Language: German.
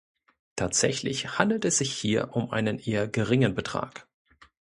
Tatsächlich handelt es sich hier um einen eher geringen Betrag.